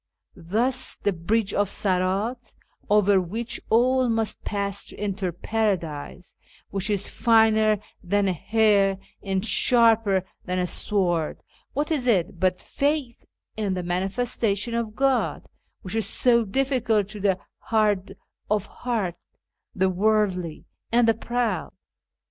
Thus the Bridge of Sirdt, over which all must pass to enter Paradise, which is ' finer than a hair and sharper than a sword,' what is it but faith in the Manifestation of God, which is so difficult to the hard of heart, the worldly, and the proud